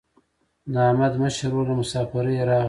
د احمد مشر ورور له مسافرۍ راغی.